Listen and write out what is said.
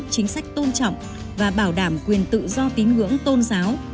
chính sách tôn trọng và bảo đảm quyền tự do tín ngưỡng tôn giáo